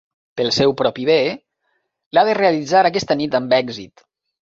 Pel seu propi bé, l'ha de realitzar aquesta nit amb èxit.